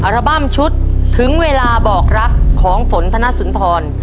บั้มชุดถึงเวลาบอกรักของฝนธนสุนทร